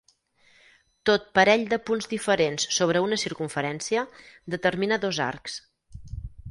Tot parell de punts diferents sobre una circumferència determina dos arcs.